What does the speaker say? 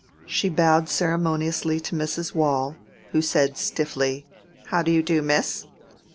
She bowed ceremoniously to Mrs. Waule, who said stiffly, "How do you do, miss?"